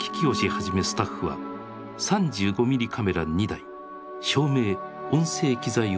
はじめスタッフは３５ミリカメラ２台照明音声機材を運び入れる。